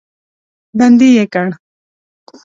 بندي یې کړ.